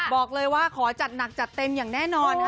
บอกเลยว่าขอจัดหนักจัดเต็มอย่างแน่นอนค่ะ